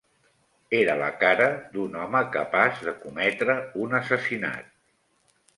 Era la cara d'un home capaç de cometre un assassinat